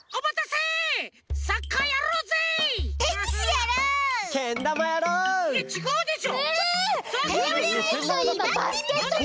いやちがうでしょ。え！